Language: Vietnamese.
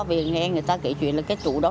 vì nghe người ta kể chuyện là cái trụ đó